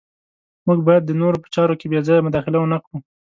موږ باید د نورو په چارو کې بې ځایه مداخله ونه کړو.